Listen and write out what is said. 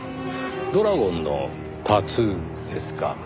ドラゴンのタトゥーですか。